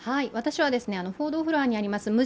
私は報道フロアにあります